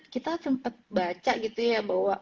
kita sempat baca gitu ya bahwa